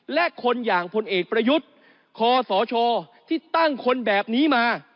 และคนอย่างพลเอกประยุทธ์คอสชที่ตั้งคนแบบนี้มา